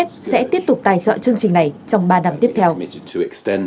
chúng tôi sẽ tiếp tục tài trợ chương trình này trong ba năm tiếp theo